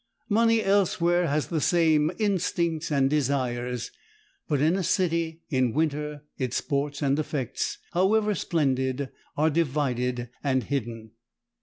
Money elsewhere has the same instincts and desires. But in a city, in winter, its sports and effects, however splendid, are divided and hidden.